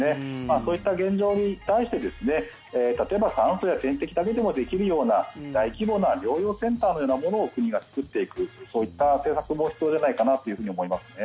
そういった現状に対して例えば酸素や点滴だけでもできるような、大規模な療養センターのようなものを国が作っていくそういった政策も必要じゃないかなと思いますね。